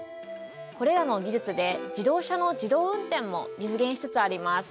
これらの技術で自動車の自動運転も実現しつつあります。